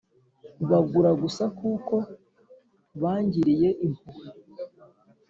bagura gusa kuko bangiriye impuhwe.